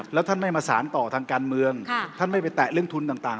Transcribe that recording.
แล้วท่านไม่มาสารต่อทางการเมืองท่านไม่ไปแตะเรื่องทุนต่าง